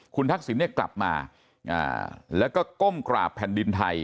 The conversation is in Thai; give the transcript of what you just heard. คุณทักษิณเนี่ยกลับมาแล้วก็ก้มกราบแผ่นดินไทย